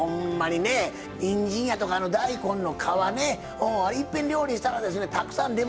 にんじんやとか大根の皮ねいっぺん料理したらですねたくさん出ますやろ。